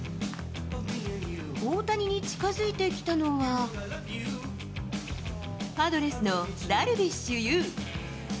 大谷に近づいてきたのは、パドレスのダルビッシュ有。